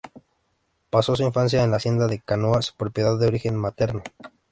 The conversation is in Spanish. Pasó su infancia en la hacienda de Canoas, propiedad de origen materno.